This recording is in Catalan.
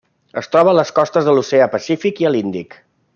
Es troba a les costes de l'Oceà Pacífic i a l'Índic.